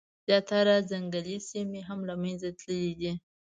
زیاتره ځنګلي سیمي هم له منځه تللي دي.